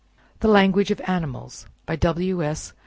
THE LANGUAGE OF ANIMALS By W. S.